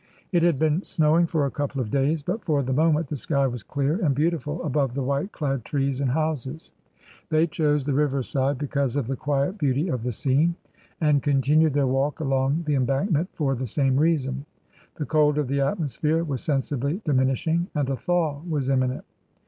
It had been snowing for a couple of days, but for the moment the sky was clear and beautiful above the white clad trees and houses ; they chose the TRANSITION. 291 river side because of the quiet beauty of the scene, and continued their walk along the Embankment for the same reason. The cold of the atmosphere was sensibly diminishing, and a thaw was imminent.